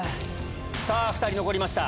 ２人残りました。